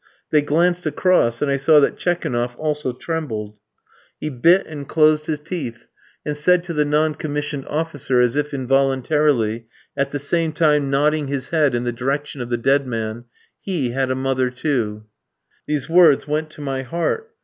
They glanced across, and I saw that Tchekounoff also trembled. He bit and closed his teeth, and said to the non commissioned officer, as if involuntarily, at the same time nodding his head in the direction of the dead man, "He had a mother, too!" These words went to my heart.